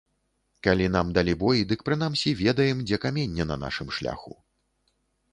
Калі нам далі бой, дык прынамсі ведаем, дзе каменне на нашым шляху.